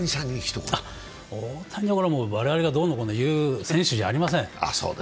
大谷は、我々がどうのこうの言う選手じゃありません。